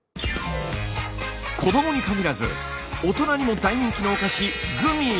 子どもに限らず大人にも大人気のお菓子グミ！